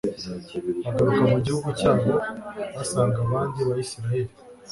bagaruka mu gihugu cyabo basanga abandi bayisraheli